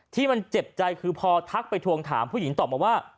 ที่มันเจ็บใจคือพอทักไปทวงถามผู้หญิงตอบมาว่า